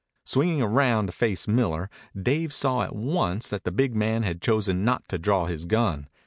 Swinging round to face Miller, Dave saw at once that the big man had chosen not to draw his gun.